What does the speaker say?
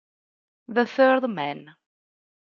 The Third Man